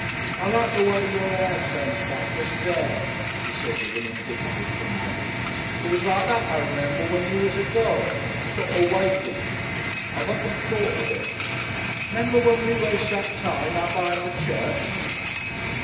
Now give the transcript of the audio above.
"I like the way your 'air turns back just there," he said, with an indicative finger. "It was like that, I remember, when you was a girl. Sort of wavy. I've often thought of it .... 'Member when we raced that time out be'ind the church?"